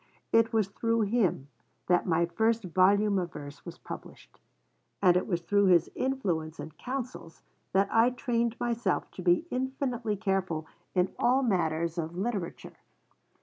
It was through him that my first volume of verse was published; and it was through his influence and counsels that I trained myself to be infinitely careful in all matters of literature.